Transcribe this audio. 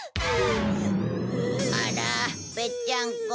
あらぺっちゃんこ。